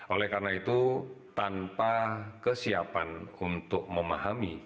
oleh karena itu tanpa kesiapan untuk memahami